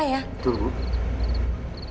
kayaknya gak mungkin deh pak